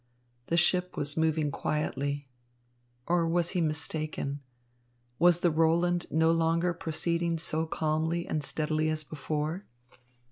The ship was moving quietly. Or was he mistaken? Was the Roland no longer proceeding so calmly and steadily as before?